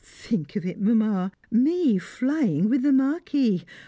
Think of it, Mamma! me flying with the Marquis!